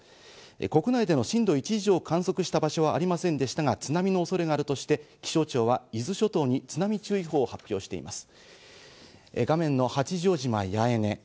国内での震度１以上を観測した場所はありませんでしたが、津波の恐れがあるとして、気象庁は伊豆諸島に津波注意報を発表しています。